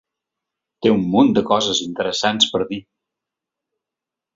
Té un munt de coses interessants per dir.